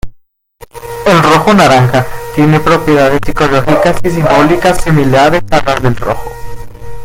El rojo naranja tiene propiedades psicológicas y simbólicas similares a las del rojo.